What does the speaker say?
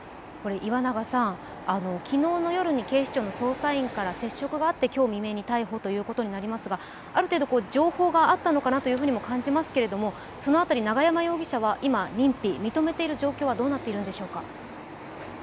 昨日の夜に捜査員から接触があって、今日未明に逮捕ということになりますが、ある程度、情報があったのかなとも感じますが、その辺り永山容疑者は今、認否、認めている状況はどうなっているんでしょうか？